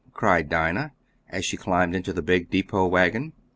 cried Dinah, as she climbed into the big depot wagon.